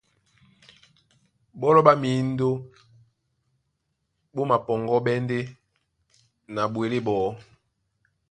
Ɓɔ́lɔ ɓá mǐndó ɓó mapɔŋgɔ́ɓɛ́ ndé na ɓwelé ɓɔɔ́.